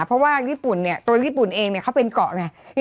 เพราะว่าญี่ปุ่นเนี่ยตัวญี่ปุ่นเองเนี่ยเขาเป็นเกาะไง